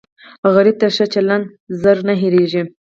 غریب ته ښه چلند زر نه هېریږي